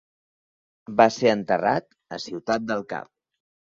Va ser enterrat a Ciutat del Cap.